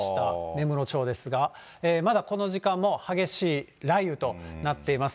根室町ですが、まだこの時間も激しい雷雨となっています。